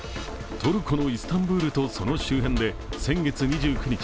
トルコのイスタンブールとその周辺で先月２９日